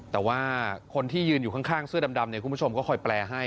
แต่ว่าคนที่ยืนอยู่ข้างเสื้อดำเนี่ยคุณผู้ชมก็คอยแปลให้